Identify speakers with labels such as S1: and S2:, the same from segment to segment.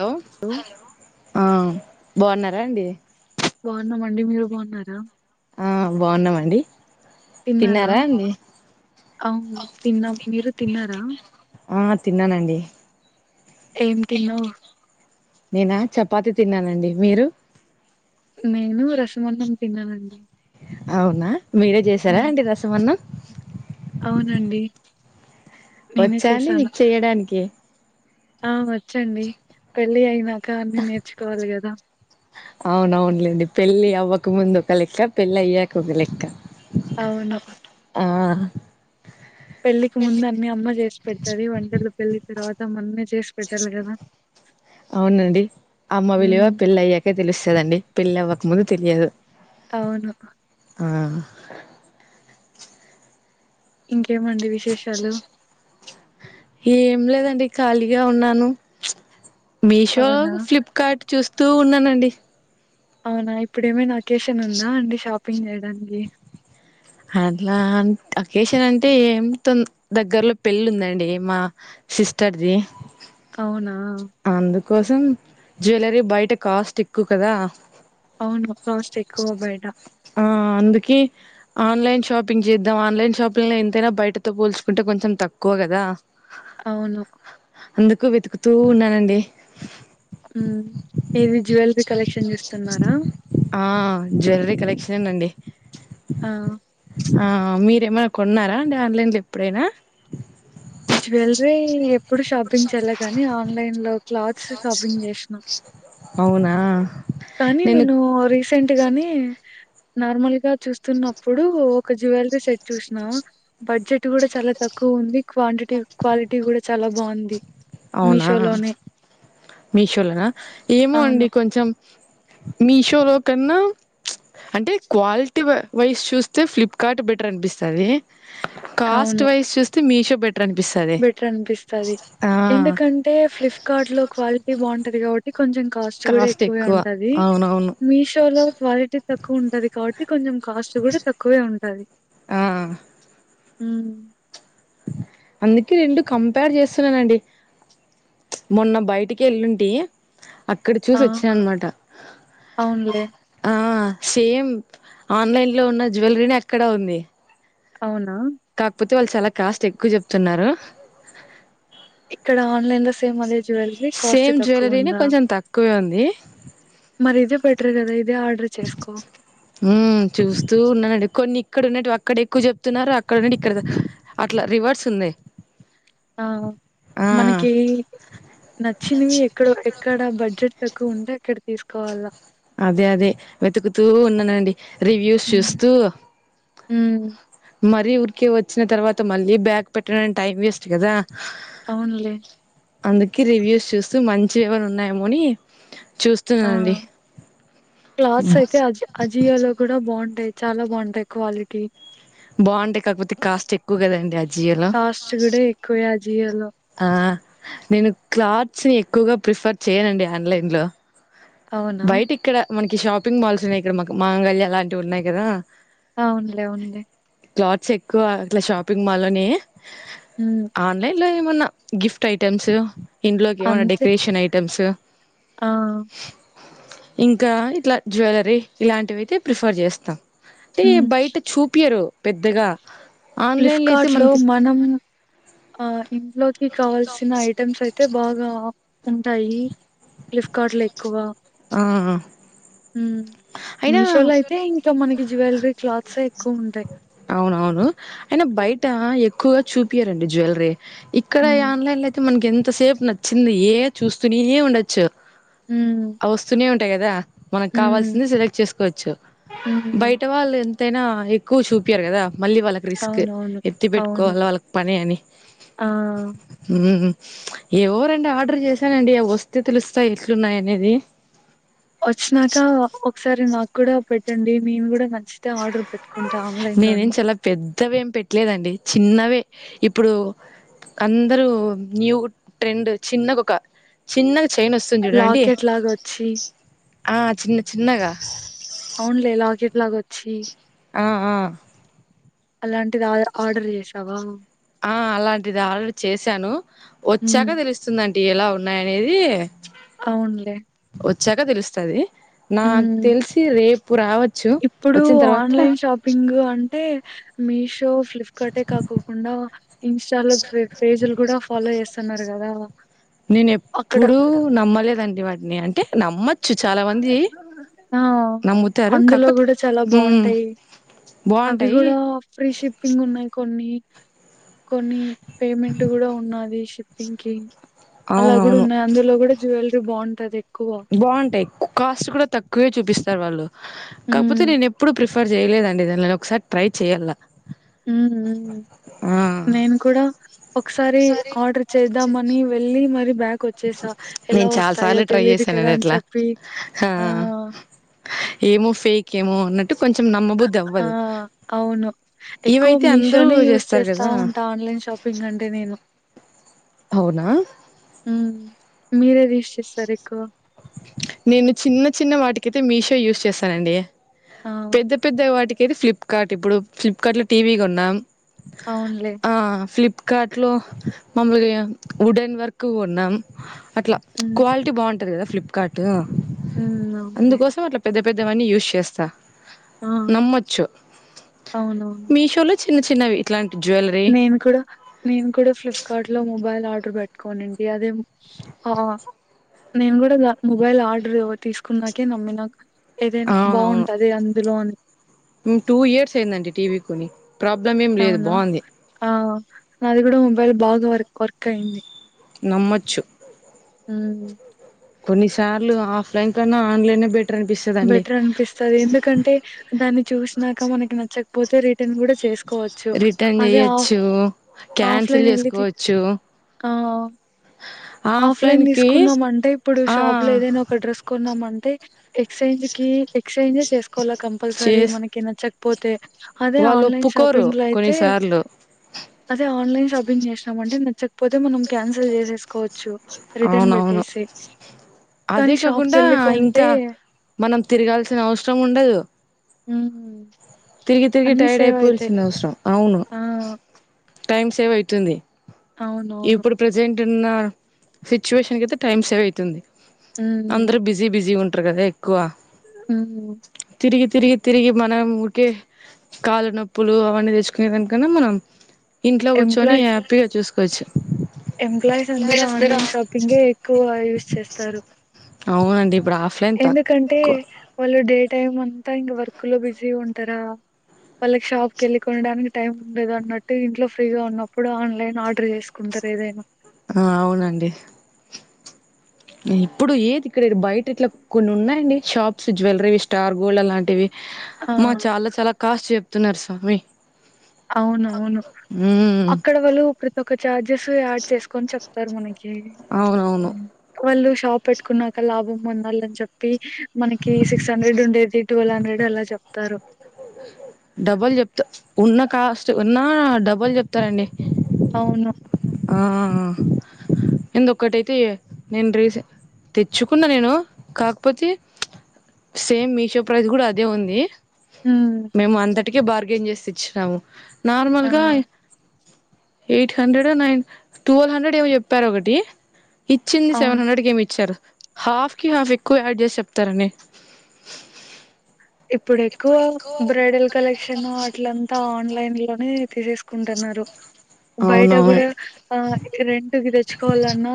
S1: Hello hello బాగున్నారా అండి
S2: బాగున్నామండి మీరు బాగున్నారా
S1: ఆ బాగున్నామండి తిన్నారా అండి
S2: అవును తిన్నాం మీరు తిన్నారా
S1: హ తిన్నానండి
S2: ఏం తిన్నావు
S1: నేనా చపాతి తిన్నానండి మీరు
S2: నేను రసమన్నం తిన్నానండి
S1: అవునా మీరే చేసారా
S2: ఉమ్,
S1: అండి రసం అన్నం
S2: అవునండి నేనే
S1: వచ్చా అండి
S2: చేశాను
S1: మీకు చేయడానికి
S2: ఆ వచ్చండి పెళ్ళి అయినాక అన్నీ నేర్చుకోవాలి కదా
S1: అవునవునులేండి పెళ్లి అవ్వక ముందు ఒక లెక్క పెళ్ళి అయ్యాక ఒక లెక్క
S2: అవును
S1: ఆ
S2: పెళ్లికి ముందు అన్ని అమ్మ చేసి పెడతది వంటలు పెళ్లి తర్వాత మనమే చేసి పెట్టాలి కదా
S1: అవునండి అమ్మ విలువ
S2: ఉమ్,
S1: పెళ్ళయ్యాకే తెలుస్తదండి పెళ్లి అవ్వక ముందు తెలియదు
S2: అవును
S1: ఆ
S2: ఇంకేమండి విశేషాలు
S1: ఏం లేదండి ఖాళీగా ఉన్నాను మీషో
S2: అవునా
S1: ఫ్లిప్కార్ట్ చూస్తూ ఉన్నానండి
S2: అవునా ఇప్పుడేమైన అకేషన్ ఉందా అండి షాపింగ్ చేయడానికి
S1: అట్లా ఆ అకేషన్ అంటే ఏమ్ తొ దగ్గర్లో పెళ్ళి ఉందండి మా సిస్టర్ ది
S2: అవునా
S1: అందుకోసం జ్యూయలరీ బయట కాస్ట్ ఎక్కువ కదా
S2: అవును కాస్ట్ ఎక్కువ బయట
S1: ఆ అందుకే ఆన్లైన్ షాపింగ్ చేద్దాం ఆన్లైన్ షాపింగ్ లో ఎంతైనా బయటతో పోల్చుకుంటే కొంచెం తక్కువ గదా
S2: అవును
S1: అందుకు వెతుకుతూ ఉన్నానండి
S2: హ్మ్ ఏది జ్యూయలరీ కలెక్షన్ చూస్తున్నారా
S1: ఆ జ్యూయలరీ కలెక్షనేనండి
S2: ఆ!
S1: ఆ మీరేమైనా కొన్నారా అండి ఆన్లైన్లో ఎప్పుడైనా
S2: జ్యువెలరీ ఎప్పుడు షాపింగ్ చేయలే గానీ, ఆన్‌లైన్‌లో క్లాత్స్ షాపింగ్ చేసినా
S1: అవునా
S2: కానీ నేను రీసెంట్ గానే నార్మల్ గా చూస్తున్నప్పుడు ఒక జ్యువెలరీ సెట్ చూసినా బడ్జెట్ కూడా చాలా తక్కువ ఉంది క్వాంటిటీ క్వాలిటీ కూడా చాలా బాగుంది
S1: అవునా మీషోలోనా ఏమో
S2: అవును.
S1: అండి కొంచెం మీషో లో కన్నా అంటే క్వాలిటీ వైస్ చూస్తే ఫ్లిప్కార్డ్ బెటర్ అనిపిస్తాది కాస్ట్
S2: అవును.
S1: వైస్ చూస్తే మీషో బెటర్ అనిపిస్తది
S2: బెటర్ అనిపిస్తది
S1: ఆ
S2: ఎందుకంటే ఫ్లిప్కార్ట్ లో క్వాలిటీ బాగుంటది కాబట్టి కొంచెం కాస్ట్ కూడా ఎక్కువే
S1: ఎక్కువ
S2: ఉంటది
S1: అవునవును
S2: మీషో లో క్వాలిటీ తక్కువ ఉంటది కాబట్టి కొంచెం కాస్ట్ కూడా తక్కువే ఉంటది
S1: ఆ
S2: హ్మ్
S1: అందుకే రెండూ కంపేర్ చేస్తున్నానండి మొన్న బయటికి వెళ్ల్లుంటి అక్కడ
S2: ఆ!
S1: చూసి వచ్చా అన్నమాట
S2: అవునులే.
S1: ఆ సేమ్ ఆన్లైన్ లో ఉన్న జ్యువెలరీని అక్కడా ఉంది
S2: అవునా
S1: కాకపోతే వాళ్ళు చాలా కాస్ట్ ఎక్కువ చెప్తున్నారు
S2: ఇక్కడ ఆన్లైన్ లో సేమ్ అదే జ్యువెలరీ కాస్ట్
S1: సేమ్
S2: తక్కువ
S1: జ్యువెలరీనే
S2: ఉందా
S1: కొంచెం తక్కువే ఉంది
S2: మరి ఇదే బెటర్ కదా ఇ
S1: హ్మ్ చూస్తూఉన్నానండి కొన్ని ఇక్కడ ఉండేటివి అక్కడ ఎక్కువ చెప్తున్నారు అక్కడ ఉండేటివి ఇక్కడ అట్లా రివర్స్ ఉన్నాయి
S2: ఆ మనకి నచ్చినవి ఎక్కడో ఎక్కడ బడ్జెట్ తక్కువ ఉంటే అక్కడ తీసుకోవాలా
S1: అదే, అదే, వెతుకుతూ ఉన్నానండి రివ్యూస్
S2: హ్మ్.
S1: చూస్తూ
S2: హ్మ్.
S1: మరీ ఊరికే వచ్చిన తర్వాత మళ్ళీ బ్యాగ్ పెట్టడానికి టైం వేస్ట్ కదా
S2: అవునులే
S1: అందుకి రివ్యూస్ చూస్తూ మంచి ఎవన ఉన్నాయేమో అని
S2: ఆ!
S1: చూస్తున్నాండి
S2: క్లాత్స్ అయితే అజ అజియో లో కూడా బాగుంటాయి చాలా బాగుంటాయి క్వాలిటీ
S1: బాగుంటాయి కాకపోతే కాస్ట్ ఎక్కువ కదండి ఆ చీరలు
S2: జీయాలో [unintelligible]
S1: నేను క్లాత్స్ ఎక్కువగా ప్రిఫర్ చేయనండి ఆన్లైన్ లో
S2: అవునా?
S1: బయట ఇక్కడ మనకి షాపింగ్ మాల్స్ ఉన్నాయి ఇక్కడ మ మాంగళ్యా అలాంటివి ఉన్నాయి కదా
S2: ఆవున్లే అవున్లే
S1: క్లాత్స్ ఎక్కువ అట్ల షాపింగ్ మాల్లో నే
S2: హ్మ్.
S1: ఆన్లైన్ లో ఏమన్నా గిఫ్ట్ ఐటెమ్స్ ఇంట్లోకి ఏమన్నా
S2: అంతే.
S1: డెకరేషన్ ఐటమ్స్
S2: ఆ!
S1: ఇంకా ఇట్లా జ్యవెలరీ ఇలాంటివి అయితే ప్రిఫర్ చేస్తా టే
S2: హ్మ్.
S1: బయట చూపియరు పెద్దగా ఆన్లైన్లో అయితే
S2: ఫ్లిప్కార్ట్ లో
S1: మనకి
S2: మనం ఆ ఇంట్లో కావాల్సిన ఐటమ్స్ అయితే బాగా ఉంటాయి ఫ్లిఫకార్ట్ లో ఎక్కువ
S1: ఆ
S2: ఉం
S1: అయినా
S2: మీషోలో అయితే ఇంకా మనకి జువెలరీ క్లాత్స్ ఎక్కువ ఉంటాయి
S1: అవునవును అయిన బయట ఎక్కువగా చూపియరండి జ్యువెలరీ ఇక్కడ
S2: హ్మ్.
S1: ఆన్లైన్ లో అయితే మనకి ఎంతసేపు నచ్చింది ఏ చూస్తుని ఏ ఉండొచ్చు
S2: ఉం
S1: టాయి కదా మనకు కావాల్సింది సెలెక్ట్ చేసుకోవచ్చు
S2: హ్మ్.
S1: బయట వాళ్ళు ఎంత అయినా ఎక్కువ చూపియరు కదా మళ్ళీ వాళ్ళకి రిస్క్
S2: అవునవును.
S1: ఎత్తి
S2: అవును.
S1: పెట్టుకోవాల వాళ్ళకి పని అని
S2: ఆ!
S1: ఎవో రెండు ఆర్డర్ చేసానండి వస్తే తెలుస్తాయి ఎట్లున్నాయి అనేది
S2: వచినాక ఒకసారి నాకు కూడా పెట్టండి మేము కూడా న
S1: నేనేం చాలా పెద్దవి ఏం పెట్టలేదండి చిన్నవే ఇప్పుడు అందరూ న్యూ ట్రెండ్ చిన్నగ ఒక చిన్న చైన్ వస్తుంది చూడండి
S2: లాకెట్‌లాగొచ్చి
S1: ఆ చిన్న చిన్నగా
S2: అవునులే లాకెట్లాగ వచ్చి
S1: ఆ ఆ
S2: అలాంటిది ఆ ఆర్డర్ చేసావా
S1: ఆ అలాంటిది ఆల్రెడీ చేశాను వచ్చాక
S2: హ్మ్.
S1: తెలుస్తుందండి ఎలా ఉన్నాయనేది
S2: అవునులే
S1: వచ్చాక తెలుస్తది నాకు
S2: హ్మ్.
S1: తెలిసి రేపు రావ
S2: ఇప్పుడు ఆన్లైన్ షాపింగ్ అంటే మీషో ఫ్లిప్కార్టే కాకోకుండా ఇన్స్టాలో పేజీలు కూడా ఫాలో చేస్తున్నారు కదా
S1: నేను ఎప్పుడు నమ్మలేదండి వాటిని అంటే నమ్మచ్చు చాలా మంది
S2: ఆ
S1: నమ్ముతారు
S2: అందులో
S1: కాకపోతే
S2: కూడా చాలా
S1: మ్మ్
S2: బాగుంటాయి అవి
S1: బాగుంటాయి
S2: కూడా ఫ్రీ షిప్పింగ్ ఉన్నాయి కొన్ని కొన్ని పేమెంట్ కూడా ఉన్నది షిప్పింగ్ కి అలా కూడా
S1: అవునవును
S2: ఉన్నాయి అందులో కూడా జ్యువెలరీ బాగు
S1: బాగుంటాయి కాస్ట్ కూడా తక్కువే చూపిస్తారు వాళ్ళు
S2: హ్మ్.
S1: కాకపోతే నేను ఎప్పుడు ప్రిఫర్ చేయలేదండి దాన్లని నేను ఒకసారి ట్రై చెయ్యాల్ల
S2: మ్మ్ నేను కూడా ఒకసారి ఆర్డర్ చేద్దామని వెళ్ళి మరి బ్యాక్ వ వచ్చేసా ఎలా
S1: నేను చాలా
S2: వస్తాయో
S1: సార్లు ట్రై
S2: తెలిదు కదా
S1: చేశానండి
S2: అని
S1: అట్లా
S2: చెప్పి ఆ
S1: ఏమో ఫేక్ ఏమో అన్నట్
S2: ఆ అవును ఎక్కువ
S1: ఇవైతే అందరూ
S2: మీషోనే యూస్
S1: చేస్తారు
S2: చేస్తా
S1: కదా
S2: ఉంటా ఆన్లైన్ షాపింగ్ అంటే నేను
S1: అవునా
S2: మీరే యూస్ చేస్తారు ఎక్కువ
S1: నేను చిన్న చిన్న వాటికైతే మీషో యూస్ చేస్తానండి
S2: ఆ
S1: పెద్ద పెద్ద వాటికి అయితే ఫ్లిప్కార్ట్ ఇప్పుడు ఫ్లిప్కార్ట్ లో టీవీ కొన్నాం
S2: అవునులే
S1: ఆ ఫ్లిప్ కాట్లో మమ్మలుగా వుడెన్ వర్క్ కొన్నాం అట్లా
S2: హ్మ్
S1: క్వాలిటీ బాగు కదా ఫ్లిప్కార్ట్
S2: హ్మ్ అవునులే
S1: అందుకోసం అట్ల పెద్ద పెద్దవన్నీ యూస్ చేస్తా
S2: ఆ
S1: నమ్మచ్చు
S2: అవునవును
S1: మీషోలో చిన్న చిన్నవి ఇట్లాం
S2: నేను కూడా నేను కూడా ఫ్లిప్కార్ట్ లో మొబైల్ ఆర్డర్ పెట్ కొన్నింటి అదే ఆ నేను కూడ మొబైల్ ఆర్డర్ తీసుకున్నాకే నమ్మిన ఏదైనా
S1: అవునవును
S2: బాగుంటది అందులో అని
S1: ఉమ్, టూ ఇయర్స్ అయిందండి టీవీ కొని ప్రాబ్లం ఏం లేదు
S2: అవునా
S1: బాగుంది
S2: ఆ నాది కూడ మొబైల్ బాగ వర్క్ వర్క్ అయింది
S1: నమ్మొచ్చు
S2: ఆ
S1: కొన్ని సార్లు ఆఫ్లైన్ కన్నా ఆన్లైన్ బెట్
S2: బెటర్ అనిపిస్తది ఎందుకంటే దాన్ని చూసినాక మనకి నచ్చకపోతే రిటర్న్ కూడ చేసు కోచ్చు
S1: రిటర్న్
S2: అదే
S1: చేయొచ్చు క్యాన్సిల్
S2: ఆఫ్లైన్ వెళ్ళి
S1: చేసుకోవచ్చు
S2: ఆ ఆఫ్లైన్ తీసుకున్నా మంటె ఇప్పుడు
S1: ఆ
S2: షాప్ లో ఏదైనా ఒక డ్రెస్ కొన్నామంటే అతే ఎక్స్చేంజ్ కి ఎక్స్చేంజే చేసుకోవాల కంపల్సరీ
S1: చేస్
S2: మనకి నచ్చకపోతే అదే
S1: వాళ్ళు
S2: ఆన్లైన్
S1: ఒప్పుకోరు
S2: షాపింగ్ లో అయితే
S1: కొన్నిసార్లు
S2: అదే ఆన్లైన్ షాపింగ్ చేసామంటే నచ్చకపోతే మనం క్యాన్సల్ చేసేసుకో [unintelligible] రిటర్న్
S1: అవునవును
S2: పెట్టేసి కానీ
S1: అదే
S2: షాప్కి
S1: కాకుండా
S2: వెళ్ళి కొంటే
S1: ఇంకా మనం తిరగాల్సిన అవసరం ఉండదు
S2: హు
S1: తిరిగి తిరిగి టైర్డ్ అయిపోయాల్సిన అవసరం
S2: ఆ!
S1: టైమ్ సేవ్ అయితుంది
S2: అవునవును.
S1: ఇప్పుడు ప్రజెంట్ ఉన్న సిచ్యువేషన్ కయితే టైమ్ సేవ్ అవుతుంది అందరు బిజీ బిజీ ఉంటారు కదా ఎక్కువ
S2: హు
S1: తిరిగి తిరిగి తిరిగి మనం ఊకే కాళ్లు నొప్పులు అవన్నీ తెచ్చుకునే దానికన్నా మనం ఇంట్లో కూర్చొని
S2: ఎంప్లాయ్
S1: హ్యాపీగా చూసుకోవచ్చు
S2: ఎంప్లాయీస్ అందరు ఆన్లైన్ షాపింగే ఎక్కువ యూస్ చేస్తారు
S1: అవునండి ఇప్పుడు ఆఫ్లైన్
S2: ఎందుకంటే
S1: తక్కువ
S2: వాళ్ళు డే టైమ్ అంతా ఇంకా వర్క్ లో బిజీ ఉంటార వాళ్ళకి షాప్కి వెళ్ళి కొనడానికి టైం ఉండదు అన్నట్టు ఇంట్లో ఫ్రీగా ఉన్నప్పుడు ఆన్లైన్ ఆర్డర్ చేసుకుం రు ఏదైన
S1: ఆ అవునండి ఇప్పుడు ఏది ఇక్కడ బయట ఇట్లా కొన్ని ఉన్నాయండి షాప్స్ జ్యవెలరీ స్టార్ గోల్డ్ అలాంటివి
S2: ఆ!
S1: మ చాల చాల కాస్ట్ చెప్తున్నారు స్వామి
S2: అవునవును
S1: ఉమ్
S2: అక్కడ వాళ్ళు ప్రతి ఒక్క ఛార్జెస్ యాడ్ చేసుకొని చెప్తారు మనకి
S1: అవునవును
S2: వాళ్ళు షాప్ పెట్టుకున్నాక లాభం పొందాలన్ చెప్పి మనకి సిక్స్ హండ్రెడ్ ఉండేది ట్వెల్ హండ్రెడ్ అలా చెప్తారు
S1: డబ్బుల్ చెప్తా ఉన్నా కాస్ట్ ఉన్నా డబ్బుల్ చెప్తారండి
S2: అవును
S1: ఆ [unintelligible] నేను రీ తెచ్చుకున్న నేను కాకపోతే సేమ్ మీషో ప్రైస్ కూడ అదే ఉంది
S2: ఉ
S1: టికే బర్గేన్ జేసి తెచ్చాము, నార్మల్
S2: ఆ
S1: గా ఎయిట్ హండ్రెడ్ నైన్. టువేలు హండ్రెడ్ ఏమొ జేప్పారొకటి, ఇచ్చింది సెవెన్
S2: అవును
S1: హండ్రెడ్కెమొ ఇచ్చారు. హాఫ్ కి హాఫ్ ఎక్కువ యాడ్ జేస్ చెప్తారండి. !
S2: ఇప్పుడెక్కువ బ్రైడల్ కలెక్షన్, అట్లంతా ఆన్లైన్ లోనే. తీసేస్కుంటన్నారు. బయట
S1: అవునవును
S2: గూడా ఆ రెంటుగి తెచ్చుకోవాలన్నా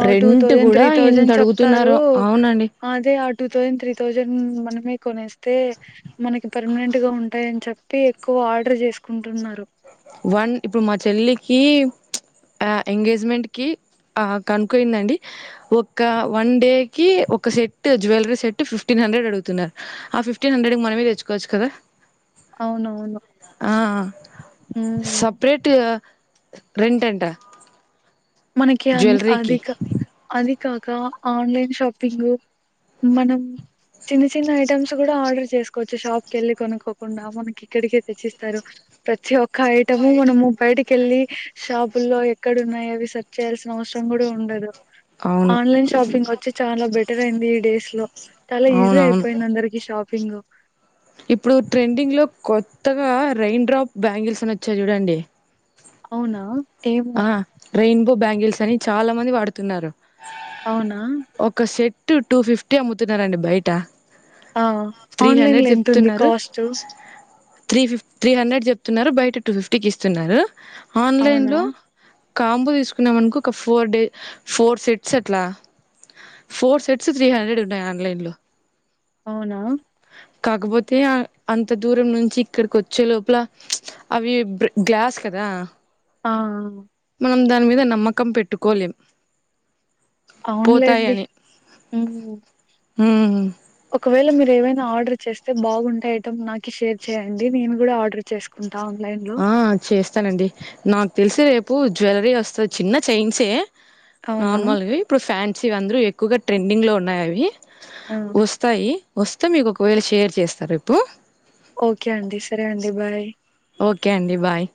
S2: ఆ టూ
S1: రెంట్
S2: థౌసండ్,
S1: కూడా
S2: త్రీ.
S1: ఎంత
S2: థౌసంద్ చెప్తారు.
S1: అడుగుతున్నారో అవునండి
S2: అదే ఆ టూ థౌసండ్, త్రీ థౌసండ్ మనమే. కొనేస్తే మనకి పర్మునెంట్ గా ఉంటాయని చెప్పి ఎక్కువ ఆర్డర్ జేసుకుంటున్నారు.
S1: వన్ ఇప్పుడు మా చెల్లికి, ప్చ్ ఆ ఎంగేజ్మెంట్ కి. ఆ కనుక్కొయిందండి. ఒక్క వన్ డేకీ ఒక set jewellery set fifteen. Hundred అడుగుతున్నారు ఆ ఫిఫ్టీన్ హండ్రెడ్ మనమే తెచ్చుకోవచ్చు కదా. !
S2: అవునవును. హ్మ్.
S1: సప్రేట్ రెంటెంటా.?
S2: మనకి అన్ అదిక అది కాక ఆన్లైన్ షాపింగు. మనం. చిన్న చిన్న ఐటమ్స్ గూడా ఆర్డర్ చేసుకోవచ్చు షాప్ కెళ్ళి కొనకోకుండా మనకి ఇక్కడికే తెచ్చిస్తారు. ప్రతి ఒక్క ఐటమూ మనము బయటికెళ్ళి షాపుల్లో ఎక్కడున్నాయవి సర్. చేయాల్సిన అవసరం గూడా ఉండదు.
S1: అవును
S2: ఆన్లైన్ షాపింగ్ వచ్చి చాలా బెటర్ అయింది ఈ డేస్ లో. చాలా ఈజీ
S1: అవునవును
S2: అయిపోయిందందరికి షాపింగ్.
S1: ఇప్పుడు ట్రెండింగ్ లో కొత్తగా రైయిన్డ్రాప్ బ్యాంగిల్సని ఒచ్చాయి చూడండి.
S2: అవునా. !
S1: ఆ రెయిన్బో బ్యాంగిల్సని చాలా మంది వాడుతున్నారు.
S2: అవునా. !
S1: టూ, టూ ఫిఫ్టీ అమ్ముతున్నారండి బయిట.
S2: ఆ!
S1: త్రీ హండ్రెడ్
S2: ఆన్‌లైన్‌లో ఎంతుంది
S1: చెప్తున్నారు.
S2: కాస్టు?
S1: త్రీ ఫిఫ్ త్రీ హండ్రెడ్ జెప్తున్నారు బయట టూ ఫిఫ్టీకిస్తున్నారు., ఆన్లైన్
S2: అవునా?
S1: లో. కాంబో దీసుకున్నామన్కో ఒక ఫోర్ డే, ఫోర్ సెట్స్ అట్లా. ! ఫోర్ సెట్సూ త్రీ హండ్రెడ్ ఉన్నాయి ఆన్లైన్లో.
S2: అవునా. !
S1: కాకబొతే ఆ అంత దూరం నుంచి ఇక్కడికొచ్చే లోప్ల ప్చ్ అవి బ్రె గ్లాస్. కదా. !
S2: ఆఆ.
S1: మనం దాని మీద నమ్మకం పెట్టుకోలేం. పోతాయి
S2: అవున్లేండి. ఊ.
S1: హ్మ్.
S2: ఒకవేళ మీరు ఏవైనా ఆర్డర్ చేస్తే బాగుంటే ఐటెమ్ నాకి షేర్ చేయండి నేను గూడా ఆర్డర్ చేసుకుం.
S1: ఆ చేస్తానండి, నాక్ తెల్సి రేపు జ్యువలరీ వస్తది చిన్న చైన్సే.
S2: అవునా?
S1: నార్మల్వి ఇప్పుడు ఫ్యాన్సీ అందరు ఎక్కువగా ట్రెండింగ్ లో ఉన్నాయవి.
S2: ఆ!
S1: వస్తాయి. వస్తే, మీకు ఒకవేళ షేర్ చేస్తా రేపు.
S2: ఓకే అండి. సరే అండి. బాయ్.
S1: ఓకే అండి బాయ్.